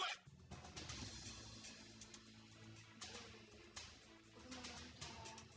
udah mau nonton